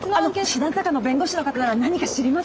師団坂の弁護士の方なら何か知りません？